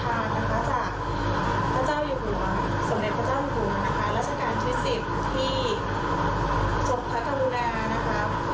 ถามว่าดีใจหรือเปล่าดีใจนะคะรู้สึกดีมีกำลังใจอย่างมาก